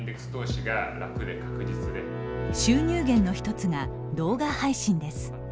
収入源の１つが動画配信です。